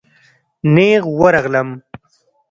نېغ ورغلم.